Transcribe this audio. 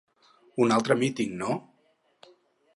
Un altre míting, no!